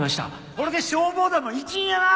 これで消防団の一員やな！